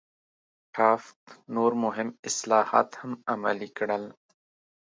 ټافت نور مهم اصلاحات هم عملي کړل.